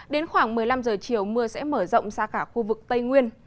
đến khoảng một mươi năm giờ chiều mưa sẽ mở rộng ra cả khu vực tây nguyên